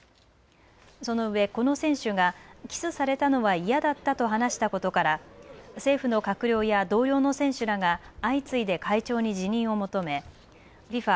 そのうえこの選手がキスされたのは嫌だったと話したことから政府の閣僚や同僚の選手らが相次いで会長に辞任を求めＦＩＦＡ